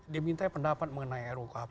diminta pendapat mengenai rukhp